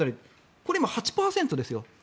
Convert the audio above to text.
これ、今８％ですよ。